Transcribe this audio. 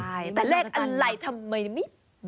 แต่เลขอะไรทำไมไม่